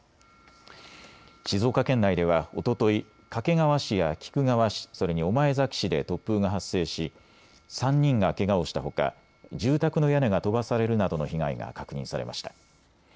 静岡県内ではおととい、掛川市や菊川市、それに御前崎市で突風が発生し、３人がけがをしたほか住宅の屋根が飛ばされるなどの被害が確認されました。